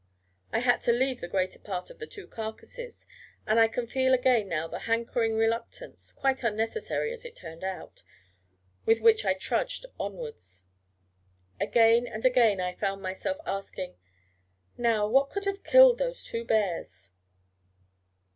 I had to leave the greater part of the two carcasses, and I can feel again now the hankering reluctance quite unnecessary, as it turned out with which I trudged onwards. Again and again I found myself asking: 'Now, what could have killed those two bears?'